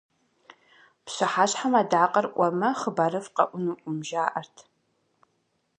Пщыхьэщхьэм адакъэр Ӏуэмэ, хъыбарыфӀ къэӀунукъым жаӀэрт.